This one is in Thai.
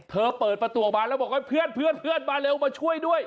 เปิดประตูออกมาแล้วบอกว่าเพื่อนมาเร็วมาช่วยด้วย